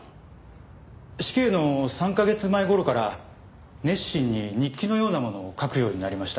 死刑の３カ月前頃から熱心に日記のようなものを書くようになりました。